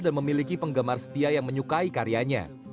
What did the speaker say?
dan memiliki penggemar setia yang menyukai karyanya